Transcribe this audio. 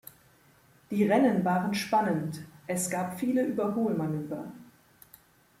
Die Rennen waren spannend, es gab viele Überholmanöver.